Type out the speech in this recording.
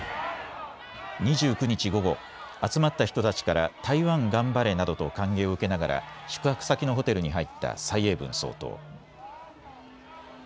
２９日午後、集まった人たちから台湾頑張れなどと歓迎を受けながら宿泊先のホテルに入った蔡英文総統。